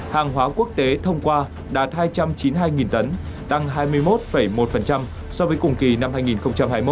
hàng hóa quốc tế thông qua đạt hai trăm chín mươi hai tấn tăng hai mươi một một so với cùng kỳ năm hai nghìn hai mươi một